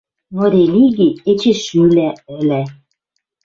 Но религи эче шӱлӓ, ӹлӓ